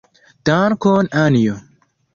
Dankon, Anjo.